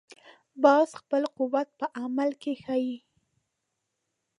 باز خپل قوت په عمل کې ښيي